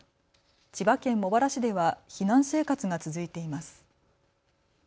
千葉県茂原市では避難生活が続いています。